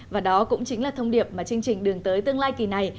và đó cũng chính là thông điệp mà chương trình đường tới tương lai kỳ này